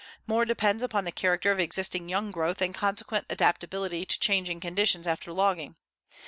More depends upon the character of existing young growth and consequent adaptability to changed conditions after logging.